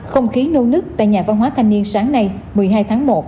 không khí nôn nứt tại nhà văn hóa thanh niên sáng nay một mươi hai tháng một